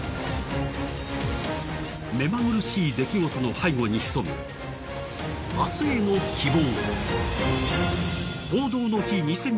目まぐるしい出来事の背後に潜む明日への希望。